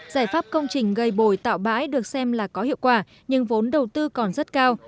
giải pháp công trình gây bồi tạo bãi được xem là có hiệu quả nhưng vốn đầu tư còn rất cao